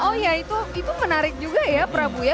oh ya itu menarik juga ya prabu ya